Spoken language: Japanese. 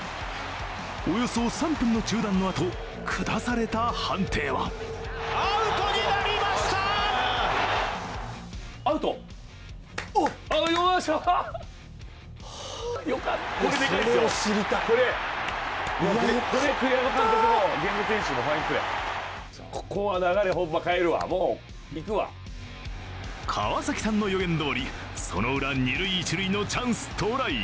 およそ３分の中断のあと下された判定は川崎さんの予言どおり、そのウラ二・一塁のチャンス到来。